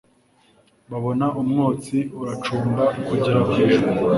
babona umwotsi uracumba kugera ku ijuru